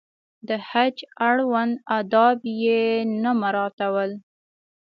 د حج اړوند آداب یې نه مراعاتول.